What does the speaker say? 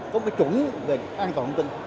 có cái chủng về an toàn thông tin